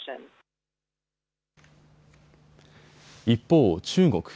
一方、中国。